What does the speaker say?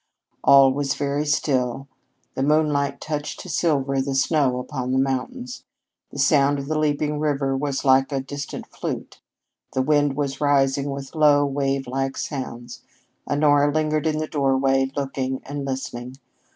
All was very still. The moonlight touched to silver the snow upon the mountains; the sound of the leaping river was like a distant flute; the wind was rising with long, wavelike sounds. Honora lingered in the doorway, looking and listening.